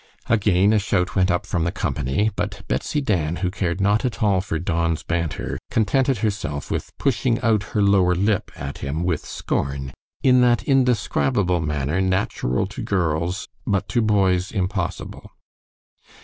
Again a shout went up from the company, but Betsy Dan, who cared not at all for Don's banter, contented herself with pushing out her lower lip at him with scorn, in that indescribable manner natural to girls, but to boys impossible.